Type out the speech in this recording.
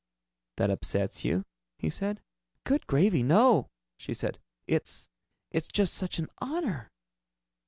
"That upsets you?" he said. "Good gravy, no!" she said. "It's it's just such an honor."